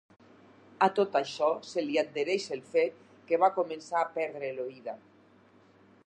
A tot això se li adhereix el fet que va començar a perdre l’oïda.